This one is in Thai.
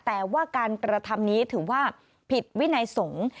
แต่ว่าการกระทำนี้ถือว่าผิดวินัยสงฆ์